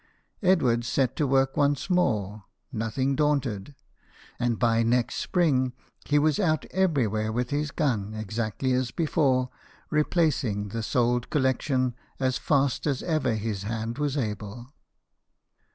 Edward set to work once more, nothing daunted, and by next spring he was out everywhere with his gun, exactly as before, replacing the sold collection as fast as ever his hand was able.